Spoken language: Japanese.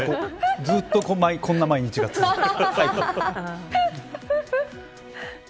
ずっとこんな毎日が続けばいい。